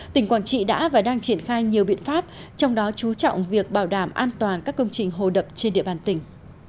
tỉnh quảng trị đã và đang triển khai nhiều biện pháp trong đó chú trọng việc bảo đảm an toàn các công trình hồ đập trên địa bàn tỉnh